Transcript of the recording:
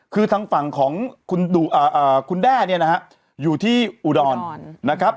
คือทางฝั่งของคุณแด้เนี่ยนะฮะอยู่ที่อุดรนะครับ